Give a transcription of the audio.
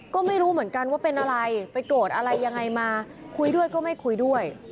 ก็ไม่รู้เหมือนกันว่าเป็นอะไรไปโกรธอะไรยังไงมาคุยด้วยก็ไม่คุยด้วย